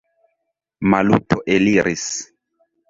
Maluto eliris.